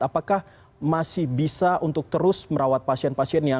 apakah masih bisa untuk terus merawat pasien yang berantangan